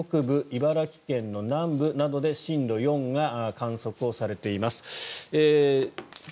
茨城県の南部などで震度４が観測されています。